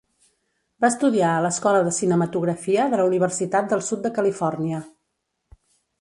Va estudiar a l'escola de Cinematografia de la Universitat del Sud de Califòrnia.